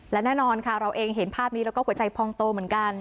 และแน่นอนค่ะเราเองเห็นภาพนี้แล้วก็หัวใจพองโตเหมือนกัน